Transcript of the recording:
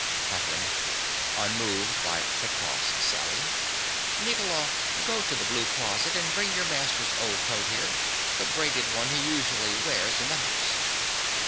_) CATHERINE. (unmoved by Petkoff's sally). Nicola: go to the blue closet and bring your master's old coat here—the braided one he usually wears in the house.